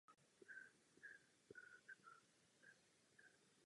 Zřizovatelem Muzea umění Olomouc je Ministerstvo kultury České republiky.